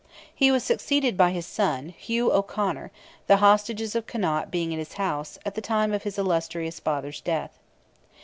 He was succeeded by his son, Hugh O'Conor, "the hostages of Connaught being in his house" at the time of his illustrious father's death.